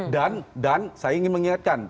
dan dan saya ingin mengingatkan